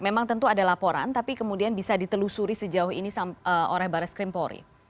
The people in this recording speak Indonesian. memang tentu ada laporan tapi kemudian bisa ditelusuri sejauh ini sampai apa